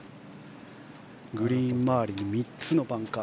グリーン周りに３つのバンカー。